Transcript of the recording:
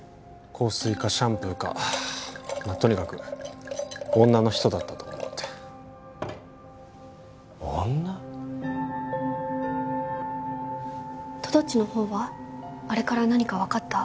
香水かシャンプーかとにかく女の人だったと思うって女？とどっちのほうはあれから何か分かった？